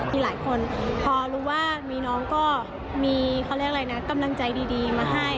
มีหลายคนพอรู้ว่ามีน้องก็มีเขาเรียกอะไรนะกำลังใจดีมาให้